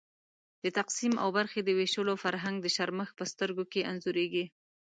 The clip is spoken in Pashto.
د تقسیم او برخې د وېشلو فرهنګ د شرمښ په سترګو کې انځورېږي.